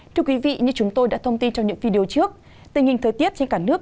thưa quý vị như chúng tôi đã thông tin trong những video trước tình hình thời tiết trên cả nước